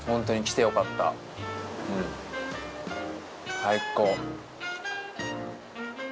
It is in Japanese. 最高。